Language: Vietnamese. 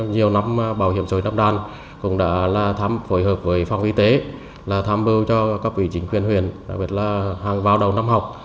nhiều năm bảo hiểm xã hội nam đàn cũng đã phối hợp với phòng y tế tham bưu cho các vị chính quyền huyện đặc biệt là vào đầu năm học